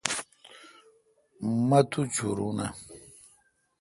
مہ تو چورو نہ۔